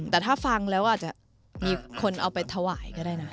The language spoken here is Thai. แต่ถ้าฟังแล้วอาจจะมีคนเอาไปถวายก็ได้นะ